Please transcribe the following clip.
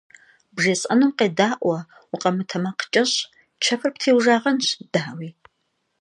БжесӀэнум къедаӀуэ, укъэмытэмакъкӀэщӀ, чэфыр птеужагъэнщ, дауи.